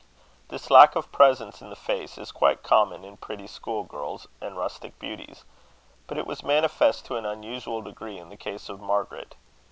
This lack of presence in the face is quite common in pretty school girls and rustic beauties; but it was manifest to an unusual degree in the case of Margaret.